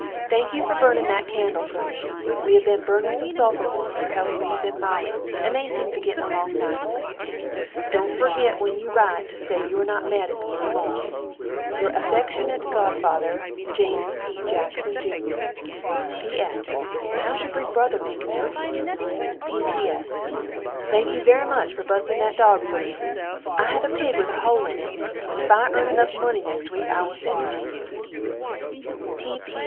Thank you fer burning that candle fer me, we have been burning some sulfur ones fer Heloise and Molly and they seem to be gettin along nicely. Dont fergit when you rite to say if you are not mad at me enny more. Your affeckshunate godfather, James P. Jackson Jr. P.S. Hows your big brother been makin out? P.P.S. Thank you very much fer bustin that dog fer me. I have a pig with a hole in it and if I ern enuf money next weak I will send it to you.